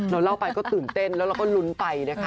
เราเล่าไปก็ตื่นเต้นแล้วเราก็ลุ้นไปนะคะ